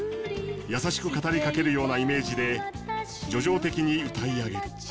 優しく語りかけるようなイメージで叙情的に歌い上げる。